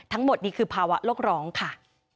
ทั้งหมดนี้คือภาวะโลกร้องค่ะ